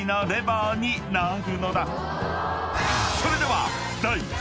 ［それでは］